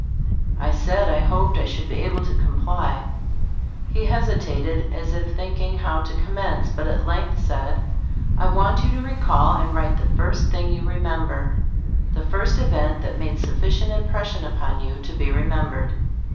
I said I hoped I should be able to comply. He hesitated, as if thinking how to commence, but at length said: "I want you to recall and write the Gbe Storg of As (JbUObood 1 1 first thing you remember — the first event that made sufficient impression upon you to be remembered."